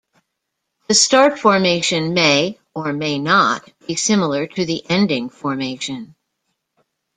The start formation may, or may not be similar to the ending formation.